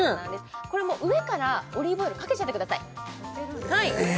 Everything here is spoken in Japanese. これもう上からオリーブオイルかけちゃってくださいえ！？